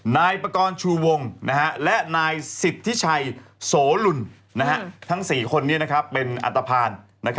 นายปากรชูวงและนายสิทธิชัยโสลุลทั้ง๔คนนี้เป็นอัตภัณฑ์